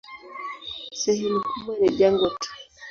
Sehemu kubwa ni jangwa tu.